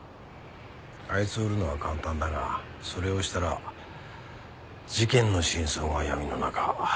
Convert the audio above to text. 「あいつを売るのは簡単だがそれをしたら事件の真相は闇の中」。